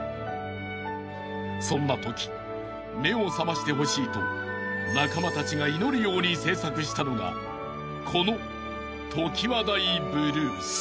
［そんなとき目を覚ましてほしいと仲間たちが祈るように制作したのがこの『常盤台ブルース』］